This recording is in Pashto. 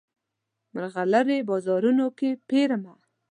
مرغلرې بازارونو کې پیرمه